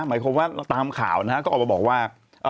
หมายความว่าตามข่าวนะฮะก็ออกมาบอกว่า